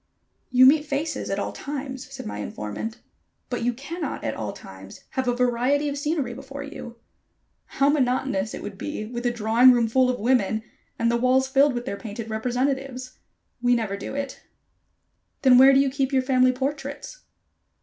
"You meet faces at all times," said my informant, "but you cannot at all times have a variety of scenery before you. How monotonous it would be with a drawing room full of women, and the walls filled with their painted representatives. We never do it." "Then where do you keep your family portraits?"